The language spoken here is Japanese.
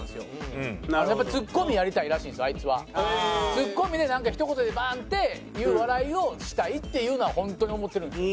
ツッコミでなんかひと言でバーンっていう笑いをしたいっていうのはホントに思ってるんですよ